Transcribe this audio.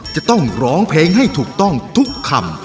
จะต้องร้องเพลงให้ถูกต้องทุกคำ